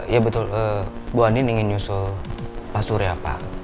iya betul bu andien ingin nyusul pak surya pak